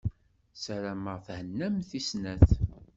Sarameɣ thennamt i snat.